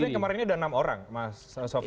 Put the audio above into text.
tapi kemarin ini sudah enam orang mas sofyan